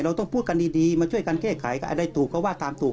เราต้องพูดกันดีมาช่วยกันแก้ไขก็อะไรถูกก็ว่าตามถูก